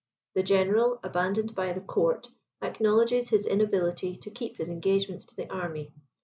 The general, abandoned by the court, acknowledges his inability to keep his engagements to the army.